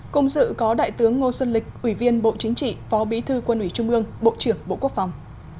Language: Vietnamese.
cùng dự có đại tướng ngô xuân lịch ủy viên bộ chính trị phó bí thư quân ủy trung ương bộ trưởng bộ quốc phòng